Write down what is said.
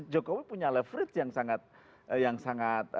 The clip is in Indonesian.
jokowi punya leverage yang sangat